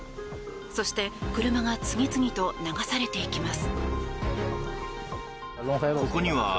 そして車が次々と流されていきます。